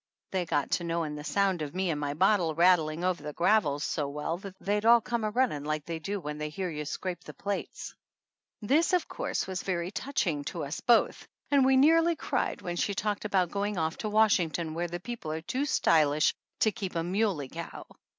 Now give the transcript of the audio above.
They got to knowing the sound of me and my bottle rattling over the gravels so well that they'd all come a running like they do when they hear you scrape the plates. This, of course, was very touching to us both and we nearly cried when she talked about going off to Washington where the people are too stylish to keep a muley cow.